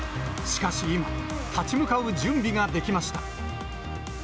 しかし今、立ち向かう準備ができました。